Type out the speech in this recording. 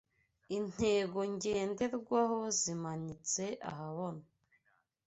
intego njyenderwaho zimanitse ahabona